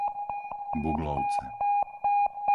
Buglovce